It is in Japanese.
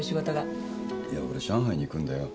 いや俺上海に行くんだよ。